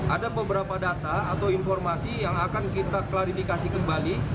ada beberapa data atau informasi yang akan kita klarifikasi kembali